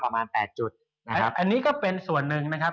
ประมาณ๘จุดอันนี้ก็เป็นส่วนหนึ่งนะครับ